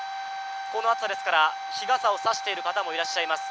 この暑さですから、日傘を差している方もいらっしゃいます。